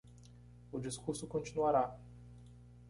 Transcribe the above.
O discurso continuará.